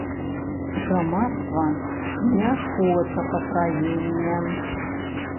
Грамадства не хоча патраення.